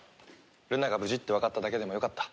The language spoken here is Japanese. ルナが無事ってわかっただけでもよかった。